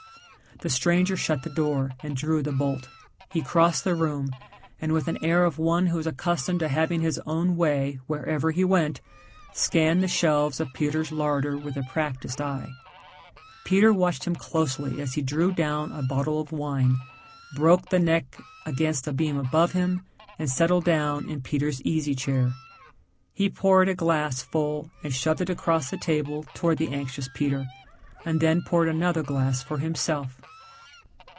The stranger shut the door and drew the bolt. He crossed the room and, with an air of one who was accustomed to having his own way wherever he went, scanned the shelves of Peter's larder with a practiced eye. Peter watched him closely as he drew down a bottle of wine, broke the neck against a beam above him, and settled down in Peter's easy chair. He poured a glass full and shoved it across the table towards the anxious Peter, and then poured another glass for himself.